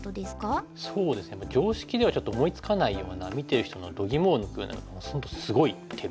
そうですね常識ではちょっと思いつかないような見てる人のどぎもを抜くようなすごい手みたいな。